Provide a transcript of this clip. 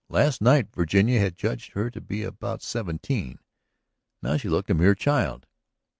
Last night Virginia had judged her to be about seventeen; now she looked a mere child.